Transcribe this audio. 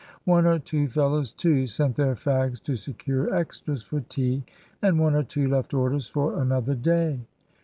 One or two fellows, too, sent their fags to secure "extras" for tea, and one or two left orders for another day.